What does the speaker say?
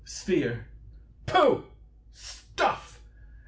Sphere. Pooh! Stuff!